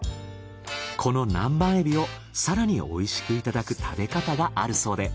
この南蛮エビを更に美味しくいただく食べ方があるそうで。